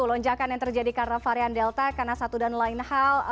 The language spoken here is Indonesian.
lonjakan yang terjadi karena varian delta karena satu dan lain hal